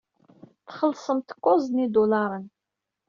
Txellṣemt-t kuẓ n yidulaṛen.